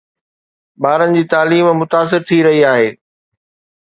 ٻارن جي تعليم متاثر ٿي رهي آهي